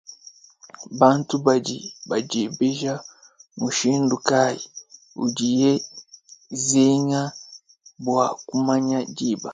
Bantu badi badiebeja mushindu kay udiye zenga bwa kumanya diba?